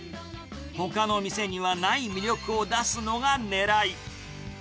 ほかの店にはない魅力を出すのがねらい。